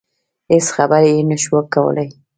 هېڅ خبرې يې نشوای کولای.